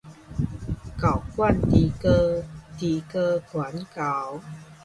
猴管豬哥，豬哥管猴